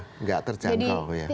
tidak terjangkau ya